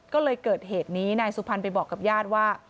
ก็เลยเกิดเหตุนี้นายสุพรรณไปบอกกับญาติว่า